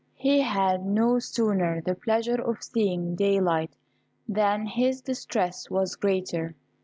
He had no sooner the pleasure of seeing daylight than his distress was greater.